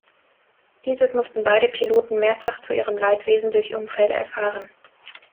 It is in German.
Dieses mussten beide Piloten mehrfach zu ihrem Leidwesen durch Unfälle erfahren.